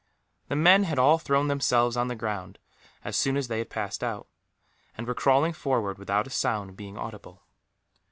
The men had all thrown themselves on the ground, as soon as they had passed out, and were crawling forward without a sound being audible.